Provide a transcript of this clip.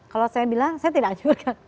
kalau saya bilang saya tidak juga